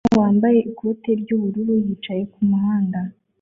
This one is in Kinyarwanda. Umwana wambaye ikoti ry'ubururu yicaye kumuhanda